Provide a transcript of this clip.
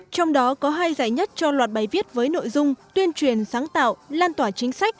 trong đó có hai giải nhất cho loạt bài viết với nội dung tuyên truyền sáng tạo lan tỏa chính sách